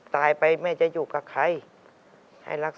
แต่ที่แม่ก็รักลูกมากทั้งสองคน